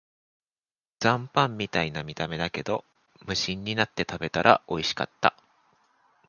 残飯みたいな見た目だけど、無心になって食べたらおいしかった